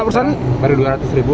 pak perusahaan baru dua ratus ribu